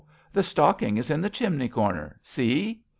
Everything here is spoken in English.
The stocking is in the chimney corner, see.